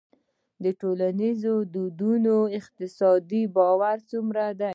د ټولنیزو دودونو اقتصادي بار څومره دی؟